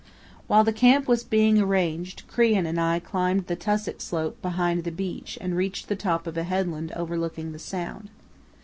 While the camp was being arranged Crean and I climbed the tussock slope behind the beach and reached the top of a headland overlooking the sound.